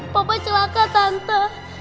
papa celaka tante